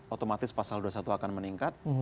otomatis pasal dua puluh satu akan meningkat